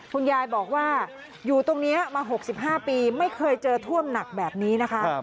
คุณยายบอกว่าอยู่ตรงนี้มา๖๕ปีไม่เคยเจอท่วมหนักแบบนี้นะคะ